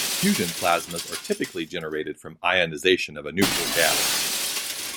Fusion plasmas are typically generated from ionization of a neutral gas.